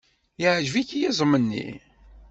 Yeɛjeb-ik yiẓem-nni?